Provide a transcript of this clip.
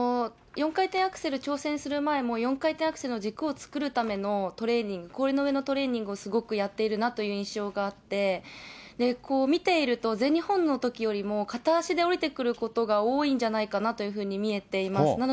４回転アクセル挑戦する前、４回転アクセルの軸を作るためのトレーニング、氷の上のトレーニングをすごくやっているなという印象があって、見ていると全日本のときよりも片足で下りてくることが多いんじゃないかなというふうに見えています。